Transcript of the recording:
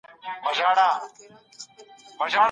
نجلۍ له بلوغ وروسته په څه شي مکلفه ده؟